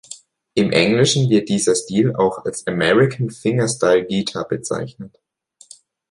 Im Englischen wird dieser Stil auch als "American Fingerstyle Guitar" bezeichnet.